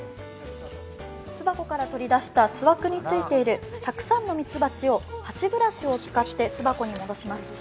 巣箱から取り出した巣枠についているたくさんの蜂蜜を蜂ブラシを使って巣箱に戻します。